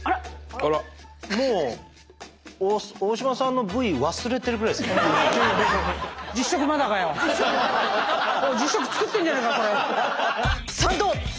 実食作ってんじゃねえかこれ。